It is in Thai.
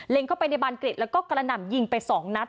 เข้าไปในบานเกร็ดแล้วก็กระหน่ำยิงไปสองนัด